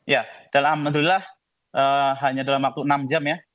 ya dan alhamdulillah hanya dalam waktu enam jam ya